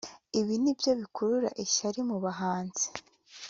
Ibi ni byo bikurura ishyari mu bahanzi